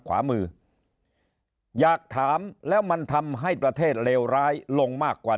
ขวามืออยากถามแล้วมันทำให้ประเทศเลวร้ายลงมากกว่า